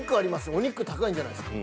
お肉高いんじゃないですか？